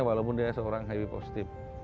walaupun dia seorang habib positif